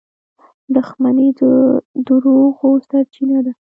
• دښمني د دروغو سرچینه ده.